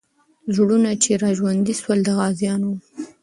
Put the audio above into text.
زړونه چې راژوندي سول، د غازیانو وو.